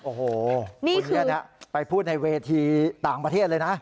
โอ้โหคนนี้ไปพูดในเวทีต่างประเทศเลยนะ